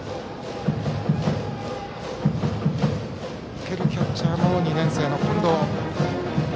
受けるキャッチャーも２年生の近藤。